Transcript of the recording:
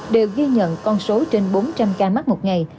đều ghi nhận con số trên bốn trăm linh ca mắc một ngày